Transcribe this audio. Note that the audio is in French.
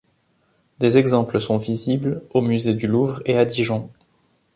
Des exemples sont visibles au Musée du Louvre et à Dijon.